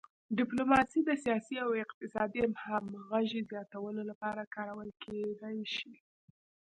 ډیپلوماسي د سیاسي او اقتصادي همغږۍ زیاتولو لپاره کارول کیدی شي